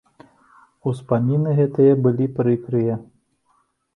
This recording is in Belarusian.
Успаміны гэтыя былі прыкрыя.